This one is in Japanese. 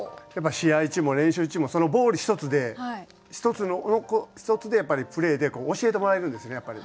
やっぱ試合中も練習中もそのボール一つで一つでプレーで教えてもらえるんですね。